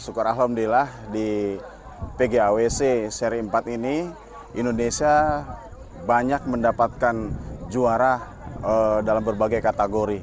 syukur alhamdulillah di pgawc seri empat ini indonesia banyak mendapatkan juara dalam berbagai kategori